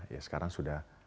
ya sekarang sudah